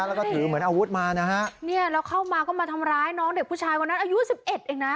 แล้วก็ถือเหมือนอาวุธมานะฮะเนี่ยแล้วเข้ามาก็มาทำร้ายน้องเด็กผู้ชายวันนั้นอายุสิบเอ็ดเองนะ